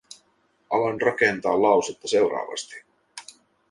Aloin rakentaa lausetta seuraavasti: